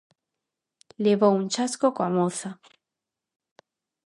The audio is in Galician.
Levou un chasco coa moza.